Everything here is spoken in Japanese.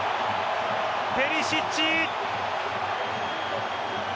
ペリシッチ。